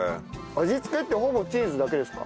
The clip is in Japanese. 味付けってほぼチーズだけですか？